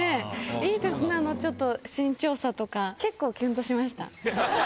いいですね、あのちょっと身長差とか、結構きゅんとしました。